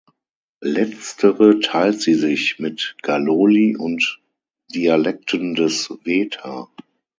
Letztere teilt sie sich mit Galoli und Dialekten des Wetar.